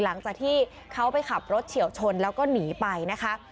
หลังจากที่เขาไปขับรถเฉียวชนแล้วก็หนีไปนะคะ